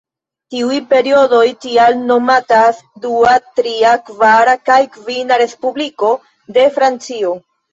Tiuj periodoj tial nomatas Dua, Tria, Kvara kaj Kvina Respubliko de Francio.